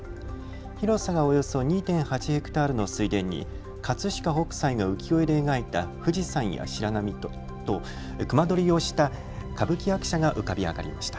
広さがおよそ２．８ｈａの水田に葛飾北斎が浮世絵で描いた富士山や白波とくま取りをした歌舞伎役者が浮かび上がりました。